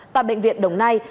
tại bệnh viện đồng nai